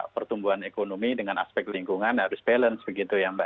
pertumbuhan ekonomi dengan aspek lingkungan harus balance begitu ya mbak